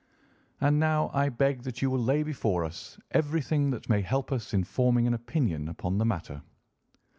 And now I beg that you will lay before us everything that may help us in forming an opinion upon the matter."